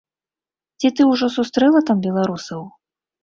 Ці ты ўжо сустрэла там беларусаў?